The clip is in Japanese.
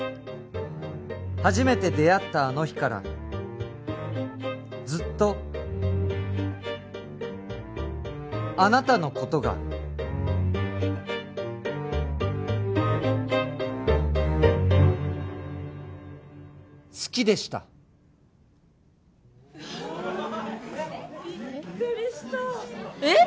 初めて出会ったあの日からずっとあなたのことが好きでしたびっくりしたえっ！？